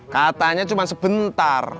katanya cuma sebentar